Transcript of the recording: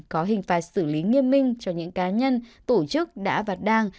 có hình phạt xử lý nghiêm minh cho những cá nhân tổ chức đã vặt đăng